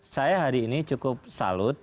saya hari ini cukup salut